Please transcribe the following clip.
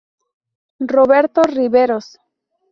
Roberto Riveros.